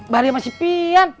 baria masih pian